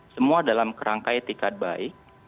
semua dalam kerangkai tiket baik